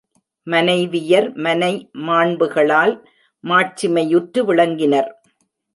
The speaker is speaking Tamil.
மனைவியர் மனைமாண்புகளால் மாட்சிமையுற்று விளங்கினர்.